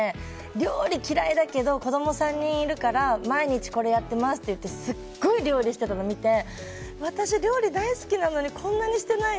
料理嫌いだけど子供３人いるから毎日これやってます！ってすごい料理してたの見て私、料理大好きなのにこんなにしてない。